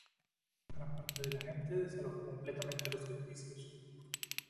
Gran parte de la gente desalojó completamente los edificios.